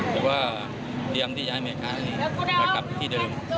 แล้วก็เตรียมที่ย้ายอเมริกามากลับที่เดิม